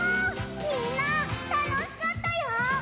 みんなたのしかったよ！